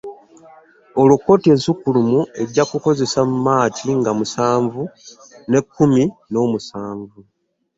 Olwo Kkooti ensukkulumu ejja kukozesa Maaki nga musanvu n'ekkumi n'omusanvu